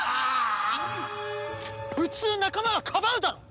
普通仲間はかばうだろ！